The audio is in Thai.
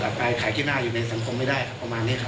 ไปขายที่หน้าอยู่ในสังคมไม่ได้ครับประมาณนี้ครับ